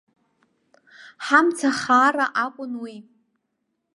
Ҳамцахаара акәын уи.